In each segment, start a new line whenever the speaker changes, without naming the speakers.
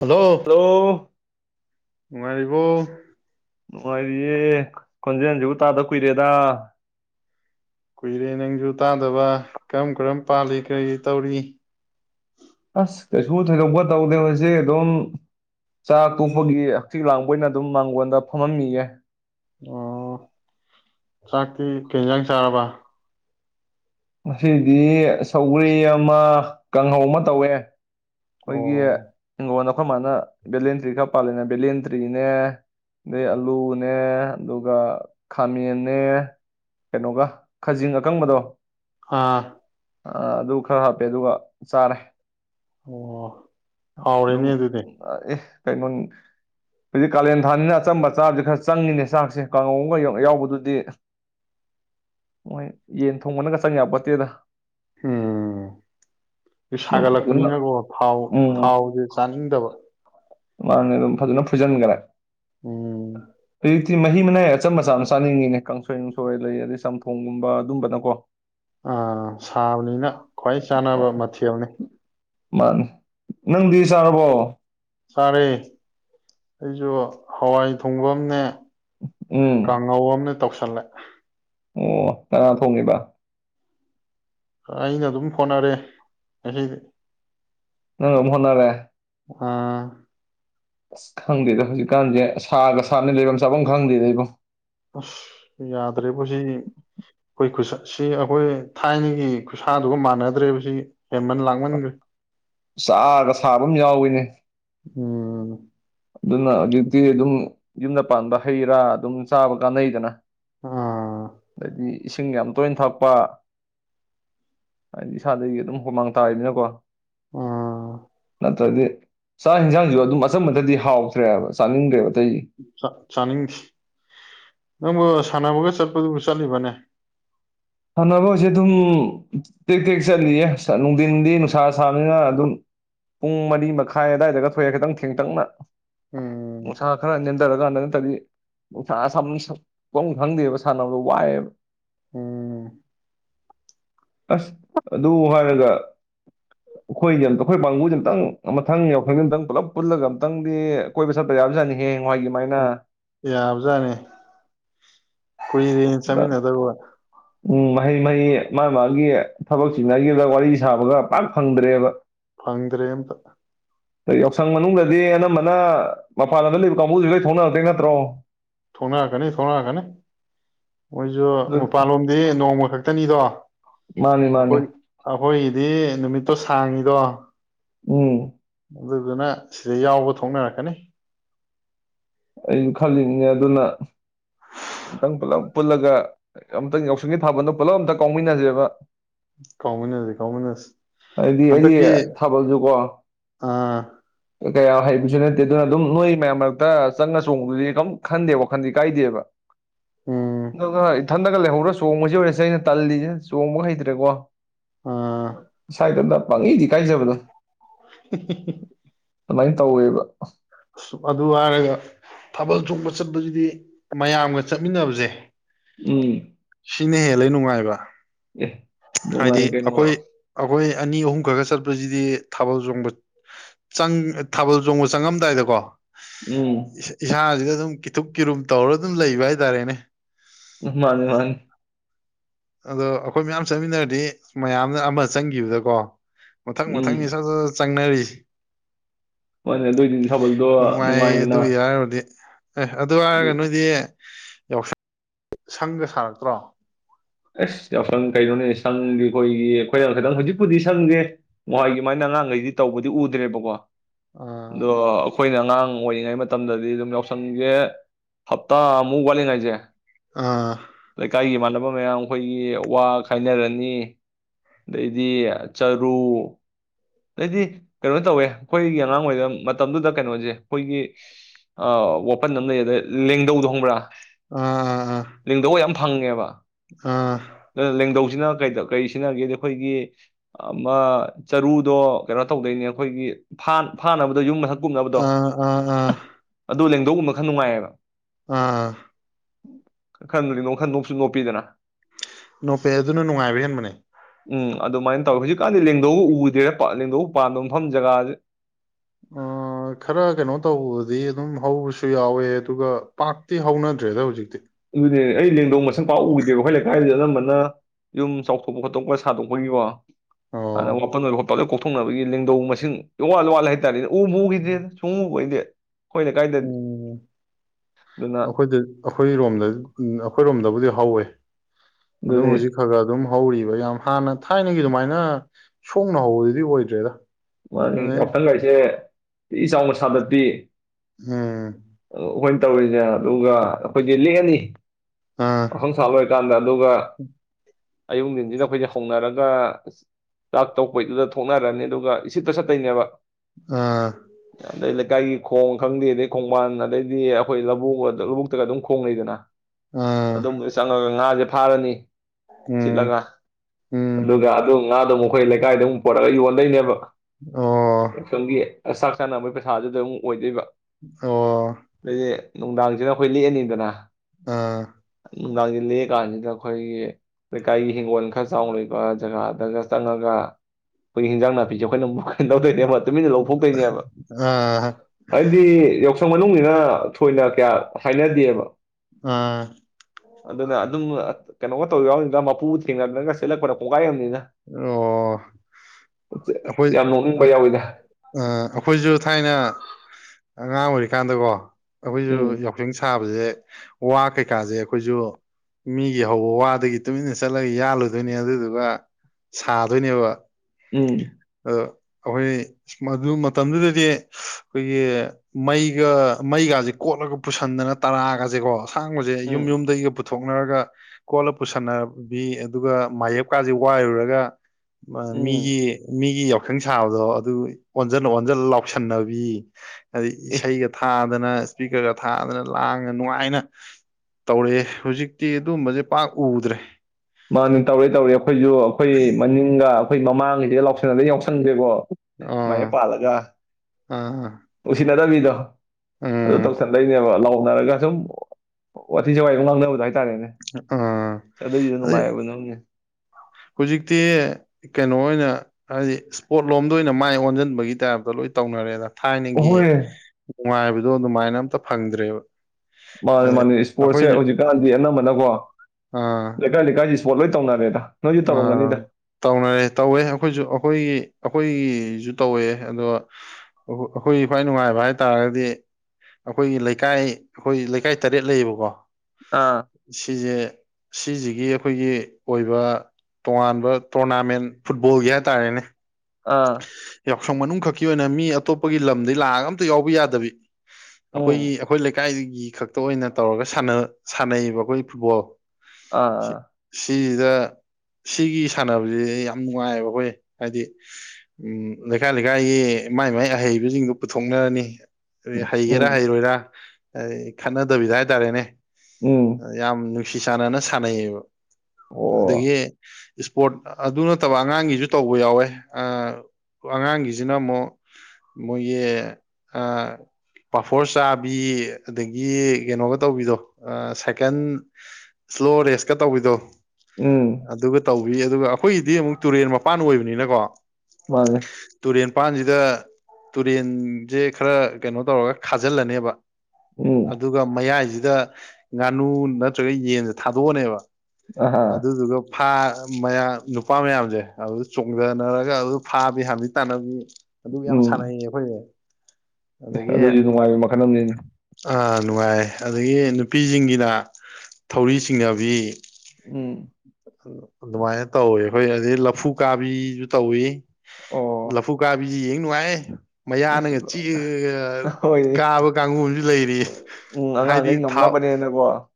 hello
hello
ꯅꯨꯡꯉꯥꯏꯔꯤꯕꯣ
ꯅꯨꯡꯉꯥꯏꯔꯤꯌꯦ ꯈꯣꯟꯖꯦꯜꯁꯤꯕꯨ ꯇꯥꯗ ꯀꯨꯏꯔꯦꯗ
ꯀꯨꯏꯔꯦ ꯅꯪꯁꯨ ꯇꯥꯗꯕ ꯀꯔꯝ ꯀꯔꯝ ꯄꯥꯜꯂꯤ ꯀꯔꯤ ꯇꯧꯔꯤ
ꯑꯁ ꯀꯩꯁꯨ ꯊꯣꯏꯗꯣꯛꯄ ꯇꯧꯗꯦ ꯍꯧꯖꯤꯛ ꯑꯗꯨꯝ ꯆꯥꯛ ꯑ ꯇꯣꯄꯒꯤ ꯍꯆꯤꯛ ꯂꯥꯡꯕ ꯑꯣꯏꯅ ꯑꯗꯨꯝ ꯃꯥꯡꯒꯣꯟꯗ ꯐꯝꯃꯝꯃꯤꯌꯦ
ꯑꯣ ꯆꯥꯛꯇꯤ ꯀꯩꯏꯟꯁꯥꯡ ꯆꯥꯔꯕ
ꯉꯗꯤ ꯁꯧꯒ꯭ꯔꯤ ꯑꯃ ꯀꯥꯡꯍꯧ ꯑꯃ ꯇꯧꯋꯦ
ꯑꯣ
ꯑꯩꯈꯣꯏꯒꯤ ꯍꯤꯡꯒꯣꯟꯗ ꯑꯈꯣꯏ ꯃꯥꯅ ꯕꯦꯂꯦꯟꯇ꯭ꯔꯤ ꯈꯔ ꯄꯥꯜꯂꯤꯅꯦ ꯕꯦꯂꯦꯟꯇ꯭ꯔꯤꯅꯦ ꯑꯗꯩ ꯑꯂꯨꯅꯦ ꯑꯗꯨꯒ ꯈꯥꯃꯦ ꯀꯩꯅꯣꯒ ꯈꯖꯤꯡ ꯑꯀꯪꯕꯗꯣ
ꯑꯥ
ꯑ ꯑꯗꯨ ꯈꯔ ꯍꯥꯞꯄꯦ ꯑꯗꯨꯒ ꯆꯥꯔꯦ
ꯑꯣ
ꯑꯗꯨꯝ
ꯍꯥꯎꯔꯦꯅꯦ ꯑꯗꯨꯗꯤ
ꯑꯦ ꯀꯩꯅꯣ ꯍꯧꯖꯤꯛ ꯀꯥꯂꯦꯟ ꯊꯥꯅꯤꯅ ꯑꯆꯝꯕ ꯆꯥꯕꯁꯤ ꯈꯔ ꯆꯪꯉꯤꯅꯦ ꯆꯥꯛꯁꯦ ꯀꯥꯡꯉꯧ ꯑꯃꯒ ꯌꯥꯎꯕꯗꯨꯗꯤ ꯃꯣꯏ ꯌꯦꯟ ꯊꯣꯡꯕꯅꯒ ꯆꯪꯕꯄꯠꯇꯦꯗ
ꯎꯝ
ꯑꯗꯨꯝ
ꯁꯒ
ꯐꯖꯅ
ꯂꯄꯅꯤꯅ ꯀꯣ ꯊꯥꯎ ꯊꯥꯎꯁꯦ ꯆꯥꯅꯤꯡꯗꯕ
ꯃꯥꯅ ꯑꯗꯨꯝ ꯐꯖꯅ ꯐꯨꯖꯟꯈ꯭ꯔꯦ
ꯎꯝ
ꯃꯍꯤ ꯃꯅꯥꯏ ꯑꯆꯝꯕ ꯃ ꯆꯥꯝ ꯑꯃ ꯆꯥꯅꯤꯡꯉꯤꯅꯦ ꯀꯥꯡꯁꯣꯏ ꯅꯨꯡꯁꯣꯏ ꯂꯩ ꯑꯗꯩ ꯆꯝꯊꯣꯡꯒꯨꯝꯕ ꯑꯗꯨꯝꯕꯅꯀꯣ
ꯑꯥ ꯁꯥꯕꯅꯤꯅ ꯈ꯭ꯋꯥꯏ ꯆꯥꯅꯕ ꯃꯊꯦꯜꯅꯤ
ꯃꯥꯅꯤ ꯅꯪꯗꯤꯆꯥꯔꯔꯕꯣ
ꯆꯥꯔꯦ ꯑꯩꯁꯨ ꯍꯋꯥꯏ ꯊꫭꯡꯕ
ꯎꯝ
ꯀꯥꯡꯉꯧ ꯑꯃꯅ ꯇꯧꯁ [inaudible]
ꯑꯣ ꯀꯅꯥ ꯊꯣꯡꯉꯤꯕ
ꯑꯩꯅ ꯑꯗꯨꯝ ꯍꯣꯠꯅꯔꯦ ꯉꯁꯤꯗꯤ
ꯅꯪꯑꯝ ꯍꯣꯅꯔꯦ
ꯎꯝ
ꯑꯁ ꯈꯪꯗꯦꯗ ꯍꯧꯖꯤꯛꯀꯥꯟꯖꯦ ꯁꯥꯒ ꯁꯥꯕꯅꯦ ꯂꯩꯕꯝ ꯆꯥꯕꯝ ꯈꯪꯗꯦꯗ ꯏꯕꯣ
ꯑꯁ ꯌꯥꯗ꯭ꯔꯦꯕꯣ ꯁꯤꯗꯤ ꯈꯣꯏ ꯈꯨꯁ ꯁꯤ ꯑꯈꯣꯏ ꯊꯥꯏꯅꯒꯤ ꯈꯨꯠꯁꯥꯗꯨꯒ ꯃꯥꯟꯅꯗ꯭ꯔꯦꯕꯣꯁꯤ
ꯑ ꯁꯥꯒꯒ ꯁꯥꯕꯝ ꯌꯥꯎꯌꯤꯅꯦ
ꯎꯝ
ꯑꯗꯨꯅ ꯍꯧꯖꯤꯛꯇꯤ ꯑꯗꯨꯝ ꯌꯨꯝꯗ ꯄꯥꯟꯕ ꯍꯩ ꯔꯥ ꯑꯗꯨꯝ ꯆꯥꯕ ꯀꯥꯟꯅꯩꯗꯅ
ꯑꯥ
ꯗꯒꯤ ꯏꯁꯤꯡ ꯌꯥꯝ ꯇꯣꯏꯅ ꯊꯛꯄ ꯍꯥꯏꯗꯤ ꯏꯁꯥꯗꯒꯤ ꯑꯗꯨꯝ ꯍꯨꯃꯥꯡ ꯇꯥꯔꯤꯗꯅꯀꯣ
ꯎꯝ
ꯅꯠꯇ꯭ꯔꯗꯤ ꯆꯥꯛ ꯍꯦꯟꯖꯥꯡꯖꯨ ꯑꯗꯨꯝ ꯑꯆꯝꯕꯗꯗꯤ ꯍꯥꯎꯗ꯭ꯔꯦ ꯍꯥꯏꯕ ꯆꯥꯅꯤꯡꯗ꯭ꯔꯦꯕ ꯑꯇꯩ
ꯆꯥ ꯆꯥꯅꯤꯡꯗꯩ ꯅꯪꯕꯨ ꯁꯥꯟꯅꯕꯒ ꯆꯠꯄꯗꯨꯕꯨ ꯆꯠꯂꯤꯕꯅꯦ
ꯁꯥꯟꯅꯕꯖꯦ ꯗꯨꯝ ꯇꯦꯛ ꯇꯦꯛ ꯆꯠꯂꯤꯌꯦ ꯅꯨꯡꯊꯤꯟꯗꯤ ꯅꯨꯡꯁꯥ ꯑ ꯁꯥꯕꯅꯤꯅ ꯑꯗꯨꯝ ꯄꯨꯡ ꯃꯔꯤ ꯃꯈꯥꯏ ꯑꯗꯥꯏꯗꯒ ꯊꯣꯛꯑꯦ ꯈꯤꯇꯪ ꯊꯦꯡꯇꯛꯅ
ꯎꯝ
ꯅꯨꯡꯁꯥ ꯈꯔ ꯅꯦꯟꯗꯔꯀꯥꯟꯗ ꯅꯠꯇ꯭ꯔꯗꯤ ꯅꯨꯡꯁꯥ ꯁꯥꯝ ꯁ ꯀꯣꯡ ꯈꯪꯗꯦꯕ ꯁꯥꯟꯅꯕ ꯋꯥꯏꯑꯦꯕ
ꯎꯝ
ꯑꯁ ꯑꯗꯨ ꯍꯥꯏꯔꯒ ꯑꯈꯣꯏ ꯌꯦꯟ ꯑꯈꯣꯏ ꯄꯦꯡꯉꯩꯖꯦ ꯑꯝꯛꯇꯪ ꯃꯊꯪ ꯌꯥꯎꯁꯡꯗ ꯑꯨꯛꯇꯪ ꯄꯨꯂꯞ ꯄꯨꯜꯂꯒ ꯑꯨꯛꯇꯪꯗꯤ ꯀꯣꯏꯕ ꯆꯠꯄ ꯌꯥꯕ ꯖꯥꯠꯅꯤꯍꯦꯡꯋꯥꯏꯒꯤ ꯃꯥꯏꯅ
ꯌꯥꯕꯖꯥꯠꯅꯦ ꯀꯨꯏꯔꯦ ꯆꯥꯃꯤꯟꯅꯗꯕꯥꯒ
ꯍꯩ ꯃꯩ ꯃꯥ ꯃꯥꯒꯤ ꯊꯕꯛ ꯆꯤꯟꯅꯒꯤꯕꯗ ꯋꯥꯔꯤ ꯁꯥꯕꯒ ꯄꯥꯛ ꯐꯪꯗ꯭ꯔꯦꯕ
ꯐꯪꯗ꯭ꯔꯦ ꯑꯝꯇ
ꯀꯩ ꯌꯥꯎꯁꯪ ꯃꯅꯨꯡꯗꯗꯤ ꯑꯅꯝꯕꯅ ꯃꯄꯥꯜ ꯃꯝꯗ ꯂꯩꯕ ꯀꯥꯡꯕꯨꯗꯨꯗꯤ ꯂꯣꯏ ꯊꯣꯛꯅꯔꯛꯇꯩ ꯅꯠꯇ꯭ꯔꯣ
ꯊꯣꯛꯅꯥꯔꯛꯀꯅꯤ ꯊꯣꯛꯅꯥꯔꯛꯀꯅꯤ ꯃꯣꯏꯖꯨ
ꯑꯗꯨ-
ꯃꯄꯥꯟꯂꯣꯝꯗꯤ ꯅꯣꯡꯃ ꯈꯛꯇꯅꯤꯗꯣ
ꯃꯥꯅꯤ
ꯑꯈꯣꯏ
ꯃꯥꯅꯤ
ꯑꯈꯣꯏꯒꯤꯗꯤ ꯅꯨꯃꯤꯠꯇꯣ ꯁꯥꯡꯉꯤꯗꯣ [unintelligible] [inaudible]
ꯎꯝ
ꯑꯗꯨꯗꯨꯅ ꯁꯤꯗ ꯌꯥꯎꯕ ꯊꯣꯛꯅꯔꯛꯀꯅꯤ
ꯑꯩꯖꯨ ꯈꯜꯂꯤꯅꯤꯅꯦ ꯑꯗꯨꯅ ꯑꯝꯇꯪ ꯄꯨꯜꯂꯞ ꯄꯨꯜꯂꯒ ꯑ ꯑꯝꯇꯪ ꯌꯥꯎꯁꯪꯒꯤ ꯊꯥꯕꯜꯗꯣ ꯄꯨꯂꯞ ꯑꯝꯇ ꯀꯥꯎꯃꯤꯟꯅꯖꯦꯕ
ꯀꯥꯎꯃꯤꯅꯁꯖꯦ ꯀꯥꯎꯃꯤꯅꯁꯤ
ꯍꯥꯏꯗꯤ ꯑꯩꯒꯤ
ꯍꯟꯇꯛꯀꯤ
ꯊꯥꯕꯜꯁꯨꯀꯣ
ꯑ
ꯀꯌꯥ ꯍꯩꯕꯁꯨ ꯅꯠꯇꯦ ꯑꯗꯨꯅ ꯑꯗꯨꯝ ꯅꯣꯏ ꯃꯌꯥꯝ ꯃꯔꯛꯇ ꯆꯪꯉ ꯆꯣꯡꯕꯗꯨꯗꯤ ꯀꯝ ꯈꯟꯗꯦ ꯋꯥꯈꯟꯗꯤ ꯀꯥꯏꯗꯦꯕ
ꯎꯝ
ꯑꯗꯨꯒ ꯍꯦꯠ ꯊꯟꯗꯒ ꯂꯩꯍꯧꯔ ꯆꯣꯡꯕꯖꯤ ꯑꯣꯏꯔꯦꯁꯦ ꯑꯩꯅ ꯇꯜꯂꯤꯖꯦ ꯆꯣꯡꯕ ꯍꯩꯇ꯭ꯔꯦꯀꯣ
ꯑꯥ
[unintelligible] [inaudible] ꯏꯁꯥ ꯏꯊꯟꯗ ꯄꯥꯡꯏꯗ ꯏꯀꯥꯏꯖꯕꯗꯣ
ꯍꯤ ꯍꯤ ꯍꯤ
ꯑꯃꯥꯏ ꯇꯧꯌꯦꯕ
ꯑ ꯑꯗꯨ ꯍꯥꯏꯔꯒ ꯊꯥꯕꯜ ꯆꯣꯡꯕ ꯆꯠꯄꯁꯤꯗꯤ ꯃꯌꯥꯝꯒ ꯆꯠꯃꯤꯟꯅꯕꯁꯦ
ꯎꯝ
ꯅ ꯍꯦꯜꯂꯤ ꯅꯨꯡꯉꯥꯏꯕ
ꯑꯦ
ꯍꯥꯏꯗꯤ
ꯅꯨꯡꯉꯥꯏ ꯀꯩꯅꯣ
ꯑꯈꯣꯏ ꯑꯈꯣꯏ ꯑꯅꯤ ꯑꯍꯨꯝ ꯈꯛ ꯇ ꯆꯠꯄꯁꯤꯗꯤ ꯊꯥꯕꯜ ꯆꯣꯡꯕ ꯆꯪ ꯊꯥꯕꯜ ꯊꯥꯕꯜꯆꯣꯡꯕꯥ ꯆꯥꯉꯝ ꯇꯥꯏꯗꯀꯣ
ꯎꯝ
ꯏ ꯏꯁꯥꯁꯤꯗ ꯗꯨꯝ ꯀꯤꯊꯨꯞ ꯀꯤꯔꯨꯝ ꯇꯧꯔꯒ ꯑꯗꯨꯝ ꯂꯩꯕ ꯍꯥꯏꯇꯥꯔꯦꯅꯦ
ꯎꯝ ꯃꯥꯅꯦ ꯃꯥꯅꯦ
ꯑꯗꯣ ꯑꯈꯣꯏ ꯃꯌꯥꯝ ꯆꯠꯃꯤꯟꯅꯔꯗꯤ ꯃꯌꯥꯝꯅ ꯑꯃ ꯆꯪꯈꯤꯕꯗꯀꯣ ꯃꯊꯪ
ꯎꯝ
ꯃꯊꯪꯅꯤ ꯁꯠ ꯁꯠ ꯆꯪꯅꯔꯤ
ꯍꯣꯏꯅꯦ ꯑꯗꯨꯒꯤꯗꯤ ꯊꯥꯕꯜꯗꯣ ꯅꯨꯡꯉꯥꯏꯗꯅ
ꯑ ꯑꯗꯨ ꯍꯥꯏꯔꯒ ꯅꯣꯏꯗꯤ ꯌꯥꯎꯁꯡ ꯁꯪꯒ ꯁꯔꯛꯇ꯭ꯔꯣ
ꯑꯁ ꯌꯥꯎꯁꯪ ꯀꯩꯅꯣꯅꯦ ꯁꯪꯗꯤ ꯑꯈꯣꯏꯒꯤ ꯑꯈꯣꯏꯅ ꯈꯤꯇꯪ ꯍꯧꯖꯤꯛꯄꯨꯗꯤ ꯁꯪꯁꯦ ꯅꯍꯜꯋꯥꯏꯒꯤ ꯑꯗꯨꯃꯥꯏꯅ ꯑꯉꯥꯡꯉꯩꯗꯤ ꯇꯧꯕꯗꯤ ꯎꯗ꯭ꯔꯦꯕꯀꯣ ꯑꯗꯣ ꯑꯈꯣꯏꯅ ꯑꯉꯥꯡ ꯑꯣꯏꯔꯤꯉꯩ ꯃꯇꯝꯗꯗꯤ ꯑꯗꯨꯝ ꯌꯥꯎꯁꯪꯁꯦ ꯍꯞꯇꯥꯑꯃꯨꯛ ꯋꯥꯠꯂꯤꯉꯥꯏꯁꯦ ꯂꯩꯀꯥꯏꯒꯤ ꯏꯃꯥꯟꯅ ꯃꯌꯥꯝ ꯑꯈꯣꯏꯒꯤ ꯋꯥ ꯈꯥꯏꯅꯔꯅꯤ ꯑꯗꯩꯗꯤ ꯆꯔꯨ ꯑꯗꯩꯗꯤ ꯀꯩꯅꯣ ꯇꯧꯋꯦ ꯑꯩꯈꯣꯏꯒꯤ ꯑꯉꯥꯡ ꯑꯣꯏꯔꯤ ꯃꯇꯝꯗꯨꯗ ꯀꯩꯅꯣꯁꯦ ꯑꯈꯣꯏꯒꯤ ꯋꯥꯄꯟ ꯑꯃ ꯂꯩ ꯑꯗꯨꯗ ꯂꯦꯡꯗꯧꯗꯣ ꯈꯪꯕ꯭ꯔꯥ
ꯑꯥ ꯑꯥ
ꯂꯦꯡꯗꯧꯒ ꯌꯥꯝ ꯐꯪꯉꯦꯕ [unintelligible] ꯖꯤꯅ ꯀꯩꯗ ꯀꯩ ꯀꯩꯗ ꯁꯤꯖꯤꯟꯅꯒꯦꯗꯤ ꯑꯩꯈꯣꯏꯒꯤ ꯑꯃ ꯆꯔꯨꯗꯣ ꯀꯩꯅꯣ ꯇꯧꯗꯣꯏꯅꯦ ꯑꯩꯈꯣꯏꯒꯤ ꯐꯥ ꯐꯥꯅꯕꯗꯣ ꯌꯨꯝ ꯃꯊꯛ ꯀꯨꯝꯅꯕꯗꯣ
ꯑꯥ ꯑꯥ ꯑꯥ
ꯗꯨꯒꯨꯝꯕ ꯈꯪ ꯅꯨꯡꯉꯥꯏꯌꯦꯕ
ꯑꯥ
[unintelligible]
ꯅꯣꯄꯦ ꯑꯗꯨꯅ ꯅꯨꯡꯉꯥꯏꯕ ꯍꯦꯟꯕꯅꯦ
ꯎꯝ ꯑꯗꯨꯃꯥꯏꯅ ꯇꯧꯋꯦ ꯍꯧꯖꯤꯛ ꯀꯥꯟꯗꯤ ꯂꯦꯡꯗꯧꯕ ꯎꯗꯦꯔꯦ ꯄ ꯂꯦꯡꯗꯧ ꯄꯥꯟꯕ ꯃꯐꯝ ꯖꯒꯥꯖꯦ
ꯑꯥ ꯈꯔꯥ ꯀꯩꯅꯣ ꯇꯧꯕꯗꯤ ꯑꯗꯨꯝ ꯍꯧꯕꯁꯨ ꯌꯥꯎꯋꯦ ꯑꯗꯨꯒ ꯄꯥꯛꯇꯤ ꯍꯧꯅꯗ꯭ꯔꯦꯗ ꯍꯧꯖꯤꯛꯇꯤ
[unintelligible] ꯄꯥꯛ ꯎꯗꯦꯕ ꯑꯩꯈꯣꯏ ꯂꯩꯀꯥꯏꯖꯦ ꯑꯅꯝꯕꯅ ꯑꯥ ꯌꯨꯝ ꯆꯥꯎꯊꯣꯛꯄ ꯈꯣꯠꯇꯣꯛꯄ ꯁꯥꯗꯣꯛꯄꯒꯤꯀꯣ
ꯑꯣ
ꯥ [unintelligible] ꯐꯪꯅꯕꯒꯤ ꯂꯦꯡꯗꯧ ꯃꯁꯤꯡ ꯑꯦꯋꯥꯠ ꯋꯥꯠ ꯍꯥꯏꯇꯥꯔꯦꯅꯦ ꯎꯕꯨ ꯎꯈꯤꯗꯔ꯭ꯦꯗ ꯑꯩꯗꯤ ꯁꯨꯡꯉꯕꯨ ꯑꯩꯗꯤ
ꯎꯝ
ꯑꯗꯨꯅ
ꯑꯩꯈꯣꯏꯗ ꯑꯩꯈꯣꯏꯔꯣꯝ ꯑꯩꯈꯣꯏꯔꯣꯝꯗꯕꯨꯗꯤ ꯍꯧꯋꯦ [inaudible] ꯑꯗꯨꯝ
ꯑꯗꯨꯅꯤ
ꯍꯧꯖꯤꯛ ꯈ ꯈꯔ ꯑꯗꯨꯝ ꯍꯧꯔꯤꯕ ꯌꯥꯝ ꯍꯥꯟꯅ ꯊꯥꯏꯅꯒꯤ ꯑꯗꯨꯃꯥꯏꯅ ꯁꯣꯡꯅ ꯍꯧꯕꯗꯨꯗꯤ ꯑꯣꯏꯗ꯭ꯔꯦꯗ
ꯃꯥꯅꯤ
ꯑꯗꯩ
ꯌꯥꯎꯁꯪꯒꯥꯏꯁꯦ ꯄꯤ ꯏꯆꯥꯎꯅ ꯁꯥꯗꯠꯄꯤ
ꯍꯝ
ꯑꯩꯈꯣꯏꯅ ꯇꯧꯔꯤꯁꯦ ꯑꯗꯨꯒ ꯑꯩꯈꯣꯏꯗꯤ ꯂꯦꯛꯑꯅꯤ
ꯑꯥ
ꯄꯈꯪ ꯁꯥꯥꯕ ꯂꯣꯏꯀꯥꯟꯗ ꯑꯗꯨꯒ ꯑꯌꯨꯛ ꯑꯌꯨꯛ ꯅꯨꯪꯊꯤꯟꯁꯤꯟ ꯍꯧꯅꯔꯒ ꯆꯥꯛ ꯇꯧꯄꯩꯗꯨꯗ ꯊꯣꯛꯅꯔꯅꯤ ꯑꯗꯨꯒ ꯁꯤꯠꯇ ꯁꯠꯇꯣꯏꯅꯦꯕ
ꯎꯝ
ꯂꯩꯀꯥꯏꯒꯤ ꯈꯣꯡ ꯈꯪꯗꯦ ꯑꯗꯩ ꯈꯣꯡꯕꯥꯟ ꯑꯗꯩꯗꯤ ꯑꯩꯈꯣꯏ ꯂꯧꯕꯨꯛ ꯂꯧꯕꯨꯛꯇꯒ ꯑꯗꯨꯝ ꯈꯣꯡ ꯂꯩꯩꯗꯅ
ꯑꯥ
ꯑꯗꯨꯝꯕ ꯆꯪꯉꯒ ꯉꯥꯁꯦ ꯊꯔꯅꯤ
ꯎꯝ
ꯁꯤꯠꯂꯒ
ꯎꯝ
ꯑꯗꯨꯒ ꯑꯗꯨ ꯉꯥꯗꯣ ꯃꯈꯣꯏ ꯂꯩꯀꯥꯏꯗ ꯑꯃꯨꯛ ꯄꯣꯔꯛꯑꯒ ꯌꯣꯟꯗꯣꯏꯅꯦꯕ
ꯑꯣ
[unintelligible] ꯆꯥꯛ ꯆꯥꯥꯟꯅꯕꯣꯏ ꯄꯩꯁꯥꯗꯨꯗ ꯑꯃꯨꯛ ꯑꯣꯏꯗꯣꯏꯕ ꯑꯗꯩꯗꯤ
ꯑꯣ
ꯅꯨꯡꯗꯥꯡꯁꯤꯅ ꯑꯩꯈꯣꯏ ꯂꯤꯦꯛꯑꯅꯤꯗꯅ
ꯑꯥ
ꯅꯨꯡꯗꯥꯡꯁꯦ ꯂꯦꯛꯑ ꯀꯥꯟꯁꯤꯗ ꯑꯩꯈꯣꯏꯒꯤ ꯂꯩꯀꯥꯏꯒꯤ ꯍꯤꯡꯒꯣꯜ ꯈꯔ ꯆꯥꯎ ꯂꯩꯕꯥ ꯖꯒꯥꯗꯒ ꯆꯪꯉꯒ ꯑꯩꯈꯣꯏꯒꯤ ꯍꯤꯟꯖꯥꯡ ꯅꯥꯄꯤꯁꯦ ꯑꯩꯈꯣꯏꯅ [unintelligible] ꯇꯨꯃꯤꯟꯅ ꯂꯧꯊꯣꯛꯇꯣꯏꯅꯦꯕ
ꯑꯥ
ꯍꯥꯏꯗꯤ [unintelligible] ꯃꯅꯨꯡꯁꯤꯅ ꯊꯣꯏꯅ ꯀꯌꯥ ꯍꯥꯏꯅꯗꯦꯕ
ꯑꯥ
ꯑꯗꯨꯅ ꯑꯗꯨꯝ ꯀꯩꯅꯣꯒ ꯇꯧꯤ ꯌꯥꯎꯅꯤꯗꯅ ꯃꯄꯨꯦꯡꯅꯒ ꯁꯤꯠꯂꯛꯄꯅ ꯄꯣꯡꯒꯥꯏ ꯑꯃꯅꯤ
ꯑꯣ [unintelligible]
ꯌꯥꯝ ꯅꯣꯛꯅꯤꯡꯕ ꯌꯥꯎꯋꯤꯗ
ꯑꯩꯈꯣꯏꯁꯨ ꯊꯥꯏꯅ ꯑꯉꯥꯡ ꯑꯣꯏꯔꯤꯀꯥꯟꯗꯀꯣ ꯑꯩꯈꯣꯏꯖꯨ
ꯎꯝ
ꯌꯥꯎꯁꯪ ꯁꯥꯕꯖꯦ ꯋꯥ ꯀꯩꯀꯥꯁꯦ ꯑꯩꯈꯣꯏꯁꯨ ꯃꯤꯒꯤ ꯍꯧꯕ ꯋꯥꯗꯒꯤ ꯇꯨꯃꯤꯟꯅ ꯆꯠꯂꯒ ꯌꯥꯜꯂꯨꯗꯣꯏꯅꯦ ꯑꯗꯨꯗꯨꯒ ꯁꯥꯗꯣꯏꯅꯦꯕ
ꯎꯝ
ꯑ ꯑꯩꯈꯣꯏ ꯃꯗꯨ ꯃꯇꯝꯗꯨꯗꯗꯤ ꯑꯩꯈꯣꯏꯒꯤ ꯃꯩꯒ ꯃꯩꯒꯥꯁꯦ ꯀꯣꯠꯂꯒ ꯄꯨꯁꯟꯗꯅ ꯇꯔꯥꯒꯖꯦꯀꯣ ꯑꯁꯥꯡꯕꯖꯦ
ꯎꯝ
ꯌꯨꯝ ꯌꯨꯝꯗꯒꯤꯒ ꯄꯨꯊꯣꯛꯅꯔꯒ ꯀꯣꯜꯂ ꯄꯨꯁꯟꯅꯕꯤ ꯑꯗꯨꯒ ꯃꯥꯌꯦꯞꯀꯥꯁꯦ ꯋꯥꯏꯔꯨꯔꯒ ꯃ ꯃꯤ
ꯎꯝ
ꯃꯤꯒꯤ ꯌꯥꯎꯁꯪ ꯁꯥꯕꯗꯣ ꯑꯗꯨ ꯑꯣꯟꯖꯜ ꯑꯣꯟꯖꯜ ꯂꯥꯎꯁꯤꯟꯅꯕꯤ ꯍꯥꯏꯗꯤ
ꯑꯦ
ꯏꯁꯩꯒ ꯊꯥ ꯗꯅ ꯏꯁꯄꯤꯀꯔꯒ ꯊꯥꯗꯅ ꯂꯥꯡꯅ ꯅꯨꯡꯉꯥꯏꯅ ꯇꯧꯔꯛꯑꯦ ꯍꯧꯖꯤꯛꯇꯤ ꯑꯗꯨꯝꯕꯁꯦ ꯄꯥꯛ ꯎꯗ꯭ꯔꯦ
ꯃꯥꯅꯦ ꯇꯧꯔꯦ ꯇꯧꯔꯦ ꯑꯩꯈꯣꯏꯁꯨ ꯑꯩꯈꯣꯏ ꯃꯅꯤꯡꯒ ꯑꯩꯈꯣꯏ ꯃꯃꯥꯡꯉꯩꯖꯤꯒ ꯂꯎꯁꯟꯅꯗ ꯌꯥꯎꯁꯡꯁꯦꯀꯣ ꯃꯌꯦꯞ ꯄꯥꯜꯂꯒ
ꯑ
ꯎꯁꯤꯠꯅꯗꯕꯤ ꯗꯣ ꯑꯗꯨ ꯇꯧꯁꯟꯅꯩꯅꯦꯕꯥ ꯂꯎ ꯅꯔꯒ ꯁꯨꯝ ꯑꯣ ꯋꯥꯊꯤ ꯖꯣꯒꯥꯏ ꯉꯡꯅꯕꯗꯣ ꯍꯥꯏꯇꯥꯔꯦꯅꯦ
ꯑꯥ
ꯑꯥꯗꯨꯏꯗꯣ
ꯑꯗꯩ
ꯅꯨꯡꯉꯥꯏꯕ [unintelligible]
ꯍꯧꯖꯤꯛꯇꯤ ꯀꯩꯅꯣ ꯑꯣꯏꯅ ꯍꯥꯏꯗꯤ ꯏꯁꯄꯣꯠ ꯂꯣꯝꯗ ꯑꯣꯏꯅ ꯃꯥꯏ ꯑꯣꯟꯁꯤꯟꯕꯒꯤ ꯇꯥꯏꯞꯇ ꯂꯣꯏ ꯇꯧꯅꯔꯦꯗ ꯊꯥꯏꯅꯒꯤ
ꯍꯣꯏ
ꯅꯨꯡꯉꯥꯏꯕꯗꯣ ꯑꯗꯨꯃꯥꯏꯅ ꯑꯝꯇ ꯐꯪꯗ꯭ꯔꯦꯕ
ꯃꯥꯅꯦ
ꯑꯗ
ꯃꯥꯅꯦ ꯏꯁꯄꯣꯔꯠꯁꯦ
ꯑꯩꯈꯣꯏꯁꯨ
ꯍꯧꯖꯤꯛꯀꯥꯟꯗꯤ ꯑꯅꯝꯕꯅꯀꯣ ꯂꯩꯀꯥꯏ ꯂꯩꯀꯥꯏꯖꯤ ꯄꯣꯠ ꯂꯣꯏ ꯇꯧꯅꯔꯦꯗ ꯅꯣꯏꯁꯨ
ꯑ
ꯇꯧꯔꯝꯒꯅꯤꯗ
ꯇꯧꯅꯔꯦ ꯇꯧꯋꯦ ꯑꯩꯈꯣꯏꯁꯨ ꯑꯩꯈꯣꯏꯒꯤ ꯑꯩꯈꯣꯏꯒꯤꯁꯨ ꯇꯧꯋꯦ ꯑꯗꯣ ꯑꯩꯈꯣꯏ ꯈ꯭ꯋꯥꯏ ꯅꯨꯡꯉꯥꯏꯕ ꯍꯥꯏꯇꯥꯔꯒꯗꯤ ꯑꯩꯈꯣꯏꯒꯤ ꯂꯩꯀꯥꯏ ꯑꯩꯈꯣꯏ ꯂꯩꯀꯥꯏ ꯇꯔꯦꯠ ꯂꯩꯌꯦꯕꯀꯣ
ꯑꯥ
ꯁꯤꯁꯦ ꯁꯤꯁꯤꯒꯤ ꯑꯩꯈꯣꯏꯒꯤ ꯑꯣꯏꯕ ꯇꯣꯉꯥꯟꯕ ꯇꯔꯣꯅꯥꯃꯦꯟ ꯐꯨꯠꯕꯣꯜꯒꯤ ꯍꯥꯏꯇꯥꯔꯦꯅꯦ
ꯑꯥ
ꯁꯪ ꯃꯅꯨꯡꯈꯛꯀꯤ ꯑꯣꯏꯅ ꯃꯤ ꯑꯇꯣꯞꯄꯒꯤ ꯂꯝꯗꯩꯩ ꯂꯥꯛꯑꯒ ꯑꯝꯇ ꯌꯥꯎꯕ ꯌꯥꯗꯕꯤ ꯑꯩꯈꯣꯏꯒꯤ
ꯎꯝ
ꯑꯩꯈꯣꯏ ꯂꯩꯀꯥꯏ ꯃꯤ ꯈꯛꯇ ꯑꯣꯏꯅ ꯇꯧꯔꯒ ꯁꯥꯟꯅ ꯁꯥꯟꯅꯩꯕ ꯑꯩꯈꯣꯏ ꯐꯨꯠꯕꯣꯜ ꯁꯤ
ꯑꯥ
ꯁꯤ ꯁꯤꯗ ꯁꯤꯒꯤ ꯁꯥꯟꯅꯕꯁꯤ ꯌꯥꯝ ꯅꯨꯡꯉꯥꯏꯌꯦꯕ ꯑꯩꯈꯣꯏ ꯍꯥꯏꯗꯤ ꯎꯝ ꯂꯩꯀꯥꯏ ꯂꯩꯀꯥꯏꯒꯤ ꯃꯥꯏ ꯃꯥꯏ ꯑꯍꯩꯕꯁꯤꯡꯗꯨ ꯄꯨꯊꯣꯛꯅꯔꯅꯤ ꯑꯦ
ꯎꯝ
ꯍꯩꯒꯦꯔꯥ
ꯎꯝ
ꯍꯩꯔꯣꯏꯔ ꯈꯠꯅꯗꯕꯤꯗ ꯍꯥꯏꯇꯥꯔꯦꯅꯦ
ꯎꯝ
ꯌꯥꯝ ꯐꯤ ꯁꯥꯟꯅꯅ ꯁꯥꯟꯌꯦꯕ
ꯑꯣ
ꯑꯗꯒꯤ ꯏꯁꯄꯣꯔꯠ ꯑꯗꯨ ꯅꯠꯇꯕ ꯑꯉꯥꯡꯒꯤꯁꯨ ꯇꯧꯕ ꯌꯥꯎꯋꯦ ꯑꯉꯥꯡꯒꯤꯁꯤꯅ ꯑꯃꯨꯛ ꯃꯣꯏꯒꯤ ꯄꯥꯐꯣꯔ ꯆꯥꯕꯤ ꯑꯗꯒꯤ ꯀꯩꯅꯣꯒ ꯇꯧꯕꯤꯗꯣ ꯁꯥꯏꯀꯜ ꯏꯁ꯭ꯂꯣ ꯔꯦꯁꯀ ꯇꯧꯕꯤꯗꯣ
ꯎꯝ
ꯑꯗꯨꯒ ꯇꯧ ꯎꯏ ꯑꯗꯨꯒ ꯑꯩꯈꯣꯏꯒꯤꯗꯤ ꯑꯃꯨꯛ ꯇꯨꯔꯦꯟ ꯃꯄꯥꯟ ꯑꯣꯏꯕꯅꯤꯅꯀꯣ
ꯃꯥꯅꯦ
ꯇꯨꯔꯦꯟ ꯄꯥꯟꯁꯤꯗ ꯇꯨꯔꯦꯟꯁꯦ ꯈꯔ ꯀꯩꯅꯣ ꯇꯧꯔꯒ ꯈꯥꯖꯤꯜꯂꯅꯦꯕ
ꯎꯝ
ꯑꯗꯨꯒ ꯃꯌꯥꯏꯁꯤ ꯁꯤꯗ ꯉꯥꯅꯨ ꯅꯠꯇ꯭ꯔꯒ ꯌꯦꯟꯁꯦ ꯊꯥꯗꯣꯛꯑꯅꯦꯕ
ꯑꯍꯥ
ꯑꯗꯨꯗꯨꯒ ꯥ [unintelligible] ꯃꯌꯥꯝ ꯅꯨꯄꯥ ꯃꯌꯥꯝꯁꯦ ꯑꯗꯨ ꯆꯣꯡꯗꯅꯔꯒ ꯑꯗꯨ ꯐꯥꯕꯤ ꯍꯥꯕꯤ ꯇꯥꯟꯅꯕꯤ ꯑꯗꯨ ꯌꯥꯝ
ꯎꯝ
ꯁꯥꯟꯅꯩꯌꯦ ꯑꯩꯈꯣꯏꯁꯦ
ꯑꯦ ꯑꯗꯨꯁꯨ ꯅꯨꯡꯉꯥꯏꯕ ꯃꯈꯜ ꯑꯃꯅꯤꯅꯤ
ꯑ ꯅꯨꯡꯉꯥꯏ ꯑꯗꯒꯤ ꯅꯨꯄꯤꯁꯤꯡꯒꯤꯅ ꯊꯧꯔꯤ ꯆꯤꯡꯅꯕꯤ
ꯎꯝ
ꯑꯗꯨꯃꯥꯏꯅ ꯇꯧꯋꯤ ꯑꯩꯈꯣꯏ ꯑꯩ ꯂꯐꯨ ꯀꯥꯕꯤꯁꯨ ꯇꯧꯋꯤ
ꯑꯣ
ꯂꯐꯨ ꯀꯥꯕꯤ ꯌꯦꯡ ꯅꯨꯡꯉꯥꯏ
ꯏꯁ
ꯃꯌꯥꯅꯒ ꯆꯤꯛꯑꯒ
ꯍꯣꯏꯅꯦ
ꯀꯥꯕ ꯀꯥꯡꯕꯨ ꯑꯃꯁꯨ ꯂꯩꯔꯤ
ꯎꯝ
ꯍꯥꯏꯗꯤ
ꯑꯉꯥꯡꯈꯩ
ꯊꯥꯎ
ꯉꯝꯅꯕꯅꯦꯅꯀꯣ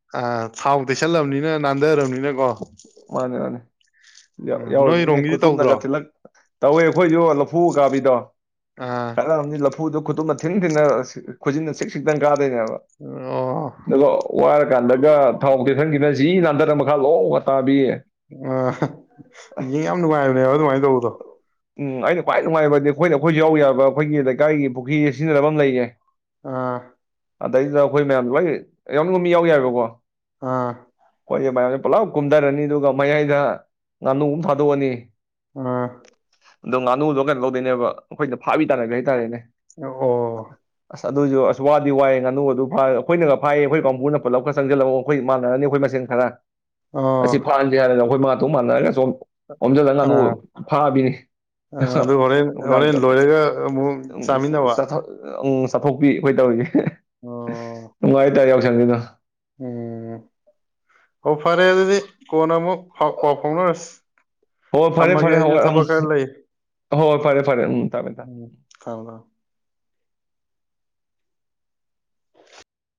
ꯊꯥꯎ ꯇꯩꯁꯜꯂꯕꯅꯤꯅ ꯅꯥꯟꯗꯔꯕꯅꯤꯅ ꯀꯣ
ꯃꯥꯅꯦ ꯃꯥꯅꯦ
ꯎꯝ
ꯌꯥꯎꯤꯔꯃꯤꯅꯦ
ꯅꯣꯏꯔꯣꯝꯒꯤꯗꯤ
ꯀꯨꯇꯨꯝꯅꯒ
ꯇꯧꯗ꯭ꯔꯣ
ꯊꯤꯜꯂꯛ ꯇꯧꯋꯦ ꯑꯩꯈꯣꯏꯁꯨ ꯊꯨꯒꯕꯤꯗꯣ
ꯑꯥ
ꯈꯔꯝꯗꯤ ꯂꯐꯨꯗꯣ ꯈꯨꯇꯨꯝꯅ ꯊꯤꯟ ꯊꯤꯅ ꯈꯨꯖꯤꯟꯅ ꯆꯛꯁꯤꯛꯇ ꯀꯥ
ꯑꯣ
[unintelligible] ꯀꯥꯟꯗꯒ ꯊꯥꯎ ꯀꯦꯛꯊꯟꯈꯤꯅ ꯖꯤ ꯅꯥꯟꯊꯔ ꯃꯈꯥ ꯂꯣꯡ [unintelligible]
ꯑ ꯌꯦꯡ ꯌꯥꯝ ꯅꯨꯡꯉꯥꯏꯕꯅꯦꯕ ꯑꯗꯨꯃꯥꯏꯅ ꯇꯧꯕꯗꯣ
ꯎꯝ ꯑꯩꯅ ꯈ꯭ꯋꯥꯏ ꯅꯨꯡꯉꯥꯏꯕꯗꯤ ꯑꯩꯈꯣꯏꯗ ꯑꯩꯈꯣꯏꯁꯨ ꯌꯥꯎ ꯌꯥꯕ ꯑꯩꯈꯣꯏꯒꯤ ꯂꯩꯀꯥꯏꯒꯤ ꯄꯨꯈ꯭ꯔꯤꯁꯦ ꯁꯤꯖꯤꯟꯅꯕ ꯑꯃ ꯂꯩꯌꯦ
ꯑꯥ
ꯑꯗꯩꯗꯨꯗ ꯑꯩꯈꯣꯏ ꯃꯌꯥꯝꯗ ꯂꯣꯏ ꯌꯥꯎꯅꯤꯡꯕ ꯃꯤ ꯌꯥꯎ ꯌꯥꯏꯌꯦꯕꯀꯣ
ꯑꯥ
[unintelligible] [unintelligible] ꯀꯨꯝꯊꯔꯅꯤ ꯑꯗꯨꯒ ꯃꯌꯥꯏꯗ ꯉꯥꯅꯨꯑꯝ ꯊꯥꯗꯣꯛꯑꯅꯤ
ꯑꯥ
ꯑꯗꯣ ꯉꯥꯅꯨꯗꯣ ꯀꯩꯅꯣ ꯇꯧꯗꯣꯏꯅꯦꯕ ꯑꯩꯈꯣꯏꯅ ꯐꯥꯕꯤ ꯇꯥꯟꯅꯕꯤ ꯍꯥꯏꯇꯥꯔꯦꯅꯦ
ꯑꯣ
ꯑꯗꯨꯁꯨ ꯋꯥꯗꯤ ꯋꯥꯏꯌꯦ ꯉꯥꯅꯨ ꯑꯗꯨ ꯐꯥ ꯑꯩꯈꯣꯏꯅꯒ ꯐꯥꯏꯌꯦ ꯑꯩꯈꯣꯏ ꯀꯥꯡꯕꯨꯅ ꯄꯨꯜꯂꯞꯒ ꯆꯪꯁꯤꯜꯂꯒ ꯑꯩꯈꯣꯏ ꯃꯥꯟꯅꯔꯅꯤ ꯑꯩꯈꯣꯏ ꯃꯁꯦꯟ ꯈꯔ
ꯑꯣ
ꯑꯁꯤ ꯐꯥꯍꯟꯁꯦ [unintelligible] ꯑꯈꯣꯏ [unintelligible] [unintelligible] ꯑꯣꯝꯖꯂ
ꯑꯥ
ꯉꯥꯅꯨ ꯐꯥꯕꯤꯅꯤ
ꯑ ꯑꯗꯨ ꯍꯣꯔꯦꯟ ꯍꯣꯔꯦꯟ ꯂꯣꯏꯔꯒ ꯑꯃꯨꯛ ꯆꯥꯃꯤꯟꯅꯕ
[unintelligible] [unintelligible] ꯆꯥꯊꯣꯛꯄꯤ ꯑꯩꯈꯣꯏ ꯇꯧꯔꯤꯁꯤ
ꯑꯣ
[unintelligible] [unintelligible] [unintelligible]
ꯎꯝ ꯑꯣ ꯐꯔꯦ ꯑꯗꯨꯗꯤ ꯀꯣꯟꯅ ꯑꯃꯨꯛ ꯄꯥꯎ ꯐꯥꯎꯅꯔꯁꯤ
ꯍꯣꯏ ꯐꯔꯦ
ꯊꯝꯃꯒꯦ
ꯐꯔꯦ ꯍ
ꯑꯩꯁꯨ ꯊꯕꯛ ꯈꯔ ꯂꯩ
ꯍꯣꯏ ꯐꯔꯦ ꯐꯔꯦ ꯊꯥꯃꯦ [unintelligible]
ꯎꯝ ꯊꯝꯃꯣ ꯊꯝꯃꯣ